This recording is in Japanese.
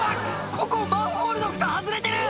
ここマンホールのフタ外れてる！